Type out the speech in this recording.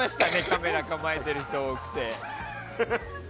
カメラ構えてる人来て。